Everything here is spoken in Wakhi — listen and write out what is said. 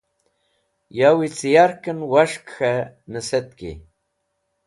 Yawi cẽ yarkẽn was̃hk k̃he nẽsetki.